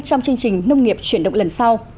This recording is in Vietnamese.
trong chương trình nông nghiệp chuyển động lần sau